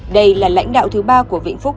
đây là lãnh đạo thứ ba của vĩnh phúc